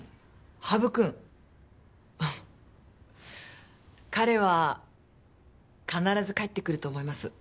羽生君？ははっ彼は必ず帰ってくると思います。